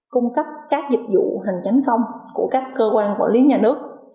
cung cấp các dịch vụ hành tránh công của các cơ quan quản lý nhà nước